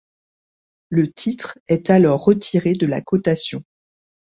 Le titre est alors retiré de la cotation.